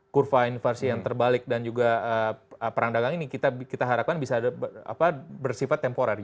kurva inversi yang terbalik dan juga perang dagang ini kita harapkan bisa bersifat temporer